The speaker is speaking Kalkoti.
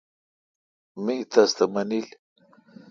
می تس تھ مانیل۔